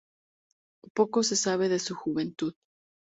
Poco se sabe de su juventud.